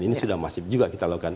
ini sudah masif juga kita lakukan